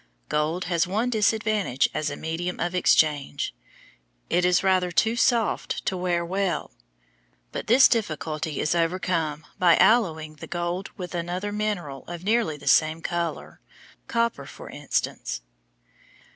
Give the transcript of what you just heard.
Gold has one disadvantage as a medium of exchange; it is rather too soft to wear well. But this difficulty is overcome by alloying the gold with another mineral of nearly the same color, copper, for instance.